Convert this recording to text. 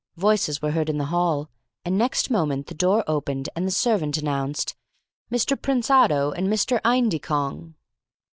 Voices were heard in the hall, and next moment the door opened and the servant announced "Mr. Prinsotto and Mr. Aydycong."